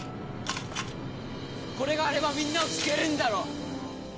これがあればみんなを救えるんだろ！？